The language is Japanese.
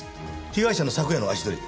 被害者の昨夜の足取り。